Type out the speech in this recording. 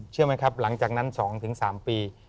เชื่อมั้ยครับหลังจากนั้นสองถึงสามปี